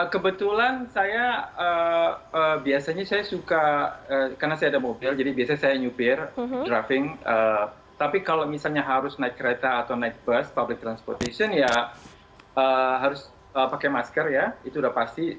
kebetulan saya biasanya saya suka karena saya ada mobil jadi biasanya saya nyupir driving tapi kalau misalnya harus naik kereta atau naik bus public transportation ya harus pakai masker ya itu udah pasti